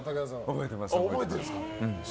覚えてます。